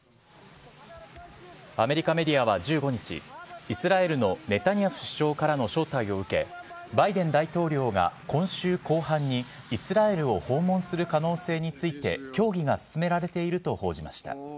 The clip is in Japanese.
アメリカメディアは１５日、イスラエルのネタニヤフ首相からの招待を受け、バイデン大統領が今週後半にイスラエルを訪問する可能性について協議が進められていると報じました。